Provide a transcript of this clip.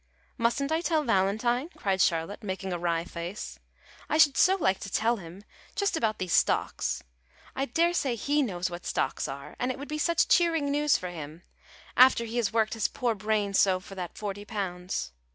"Mustn't I tell Valentine?" cried Charlotte, making a wry face; "I should so like to tell him just about these stocks. I daresay he knows what stocks are; and it would be such cheering news for him, after he has worked his poor brain so for that forty pounds.